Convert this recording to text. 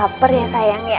laper ya sayang ya